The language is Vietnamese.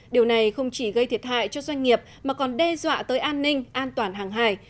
điều này không chỉ gây thiệt hại cho doanh nghiệp mà còn đe dọa tới an ninh an toàn hàng hải